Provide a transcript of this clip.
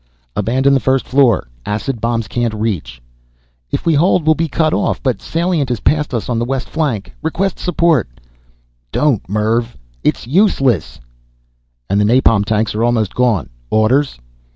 "... Abandon the first floor, acid bombs can't reach." "If we hold we'll be cut off, but salient is past us on the west flank. Request support." "DON'T MERVV ... IT'S USELESS!" "... And the napalm tanks are almost gone. Orders?"